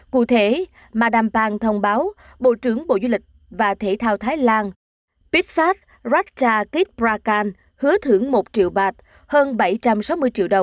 cụ thể madame phan thông báo bộ trưởng bộ du lịch và thể thao thái lan prithpat ratchakitprakarn hứa thưởng một triệu baht